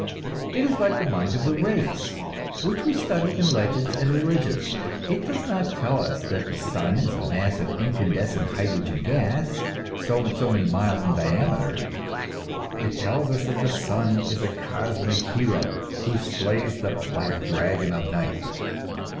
It is like the mind of the race, which we study in legends and religions. It does not tell us that the sun is a mass of incandescent hydrogen gas, so and so many miles in diameter; it tells us that the sun is a cosmic hero who slays the black dragon of night.